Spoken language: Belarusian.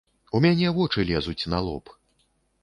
У мяне вочы лезуць на лоб!